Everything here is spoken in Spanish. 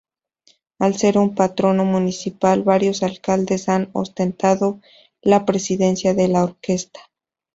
Al ser un patronato municipal, varios alcaldes han ostentado la Presidencia de la Orquesta.